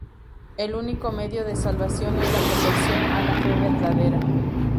El único medio de salvación es la conversión a la fe verdadera.